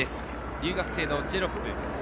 留学生のジェロップ。